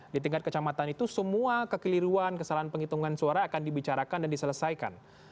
di tingkat kecamatan itu semua kekeliruan kesalahan penghitungan suara akan dibicarakan dan diselesaikan